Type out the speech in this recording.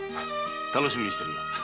楽しみにしている。